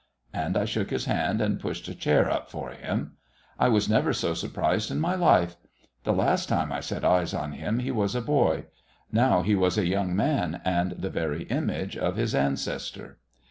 And I shook his hand and pushed a chair up for him. I was never so surprised in my life. The last time I set eyes on him he was a boy. Now he was a young man, and the very image of his ancestor.